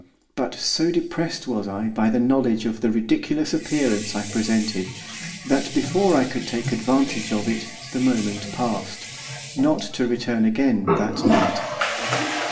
But so depressed was I by the knowledge of the ridiculous appearance I presented that, before I could take advantage of it the moment passed, not to return again that night.